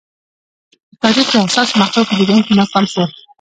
د تاریخ د حساسو مقطعو په جریان کې ناکام شول.